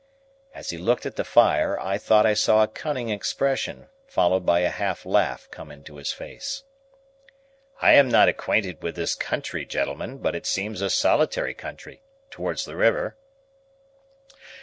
As he looked at the fire, I thought I saw a cunning expression, followed by a half laugh, come into his face. "I am not acquainted with this country, gentlemen, but it seems a solitary country towards the river."